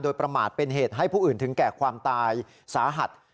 โดยประมาทเป็นเหตุให้ผู้อื่นถึงแก่ความตายสาหัส